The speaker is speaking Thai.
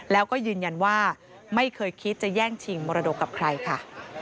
แล้วก็ยืนยันว่าไม่เคยคิดจะแย่งชิงมรดกกับใครค่ะ